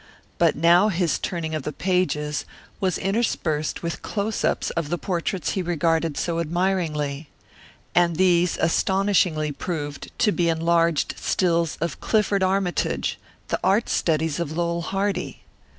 But now his turning of the pages was interspersed with close ups of the portraits he regarded so admiringly. And these astonishingly proved to be enlarged stills of Clifford Armytage, the art studies of Lowell Hardy.